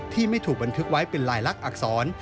ที่ไม่ถูกบันทึกไว้เป็นลายลักษณ์อักษร